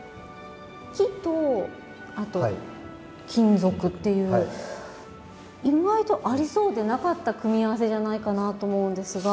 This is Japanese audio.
木とあと金属っていう意外とありそうでなかった組み合わせじゃないかなと思うんですが。